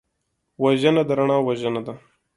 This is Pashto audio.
وژنه د رڼا وژنه ده